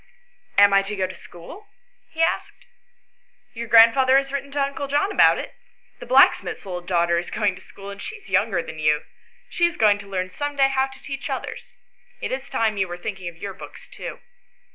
" Am I to go to school ?" he asked. "Your grandfather has written to uncle John about it. The blacksmith's little daughter is going to school, and she is younger than you. She is going to learn some day how to teach others. It is time you were thinking of your books too."